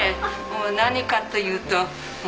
もう何かというと。